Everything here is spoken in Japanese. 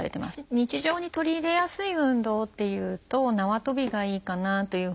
日常に取り入れやすい運動っていうとなわとびがいいかなというふうに思います。